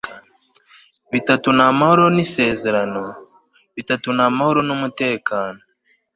bitatu ni amahoro nisezerano; bitatu ni amahoro n'umutekano